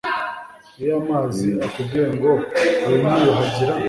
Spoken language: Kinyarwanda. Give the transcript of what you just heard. iyo amazi akubwiye ngo winyiyuhagira